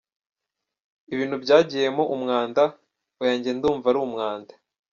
Ibintu byagiyemo umwanda oya njye ndumva ari umwanda.